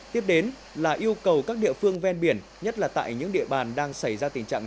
tiếp đến là yêu cầu các địa phương ven biển nhất là tại những địa bàn đang xảy ra tình trạng